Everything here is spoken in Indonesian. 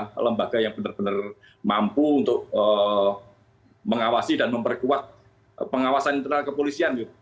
ada lembaga yang benar benar mampu untuk mengawasi dan memperkuat pengawasan internal kepolisian